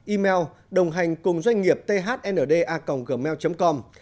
email đồng hành cùng doanh nghiệp thnda gmail com